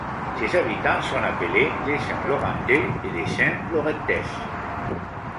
Ses habitants sont appelés les Saint-Laurentais et les Saint-Laurentaises.